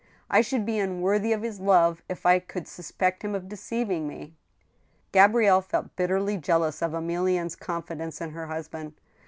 I should be unworthy of his love if I could suspect him of deceiving me I " Gabrielle felt bitterly jealous of Emilienne's confidence in her husband.